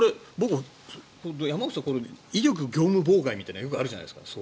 山口さん威力業務妨害みたいなのよくあるじゃないですか。